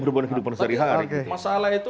berbahan kehidupan sehari hari masalah itu